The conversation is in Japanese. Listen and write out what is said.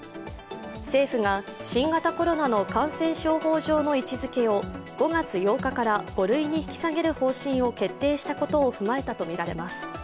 政府が新型コロナの感染症法上の位置づけを５月８日から５類に引き下げる方針を決定したことを踏まえたものとみられます。